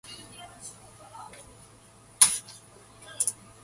The next day he was signed to the Chiefs practice squad.